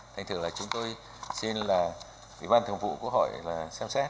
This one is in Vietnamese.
thành thử là chúng tôi xin là vị văn thường vụ của hội xem xét